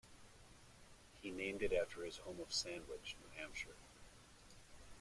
He named it after his home of Sandwich, New Hampshire.